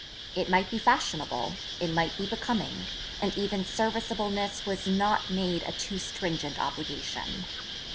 It might be fashionable: it might be becoming: and even serviceableness was not made a too stringent obligation.